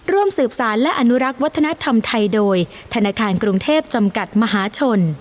ร่วมสืบสารและอนุรักษ์วัฒนธรรมไทยโดยธนาคารกรุงเทพจำกัดมหาชน